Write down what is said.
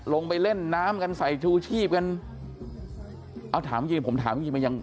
ลงไปเล่นน้ำกันใส่ชูชีพกัน